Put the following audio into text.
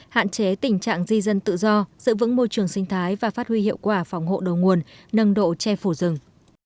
hạn chế tình trạng di dân tự do giữ vững môi trường sinh thái và phát huy hiệu quả phòng hộ đầu nguồn nâng độ che phủ rừng